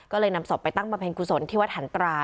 ก็เลยนำศพไปตั้งบำเพ็ญกุศลที่วัดหันตรา